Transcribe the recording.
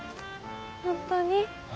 本当に。